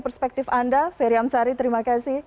perspektif anda ferry amsari terima kasih